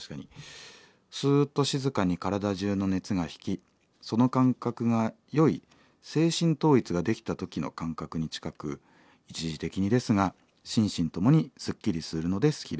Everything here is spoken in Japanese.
「スッと静かに体中の熱が引きその感覚がよい精神統一ができた時の感覚に近く一時的にですが心身ともにすっきりするので好きです。